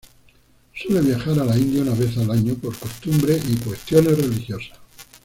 Suele viajar a la India una vez al año, por costumbres y cuestiones religiosas.